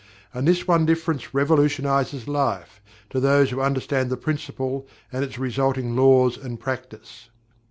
And this one difference revolutionizes Life, to those who understand the Principle and its resulting laws and practice.